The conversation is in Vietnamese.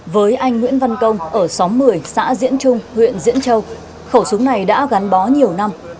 với anh nguyễn văn công ở xóm một mươi xã diễn trung huyện diễn châu khẩu súng này đã gắn bó nhiều năm